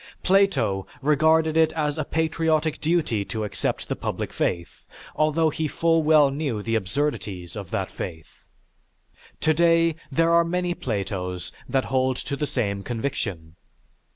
Plato regarded it as a patriotic duty to accept the public faith although he full well knew the absurdities of that faith. Today, there are many Platos that hold to the same conviction.